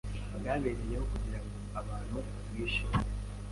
bwabereyeho kugira ngo abantu babwishimire?